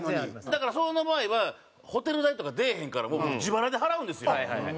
だからその場合はホテル代とか出えへんから自腹で払うんですよ。